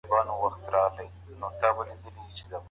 شپه اوږده او درنه وي تل.